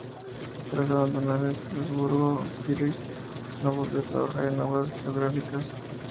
Tras abandonar Estrasburgo, Fries ya no volvió a trabajar en obras geográficas.